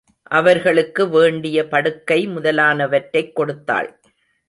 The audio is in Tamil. அவர்களுக்கு வேண்டிய படுக்கை முதலானவற்றைக் கொடுத்தாள்.